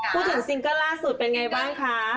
ซิงเกิ้ลล่าสุดเป็นไงบ้างคะ